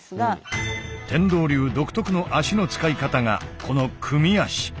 天道流独特の足の使い方がこの組み足。